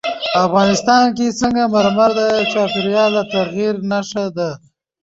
افغانستان کې سنگ مرمر د چاپېریال د تغیر نښه ده.